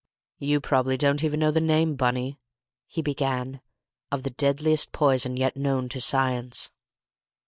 "You probably don't even know the name, Bunny," he began, "of the deadliest poison yet known to science.